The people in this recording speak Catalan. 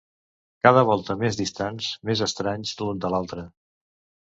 Cada volta més distants, més estranys l'un a l'altre...